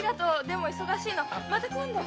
でも忙しいの。